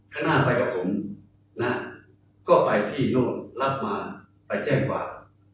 ขนาดไปกับผมก็ไปที่นู่นรับมาไปแจ้งกวา